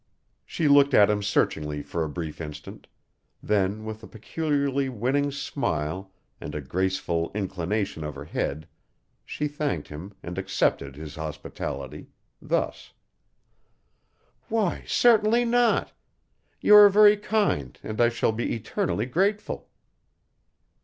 She looked at him searchingly for a brief instant: then with a peculiarly winning smile and a graceful inclination of her head she thanked him and accepted his hospitality thus: "Why, certainly not! You are very kind, and I shall be eternally grateful."